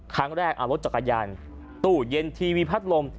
ครั้งแรกเอารถจักรยานตู้เย็นทีวีพัดลม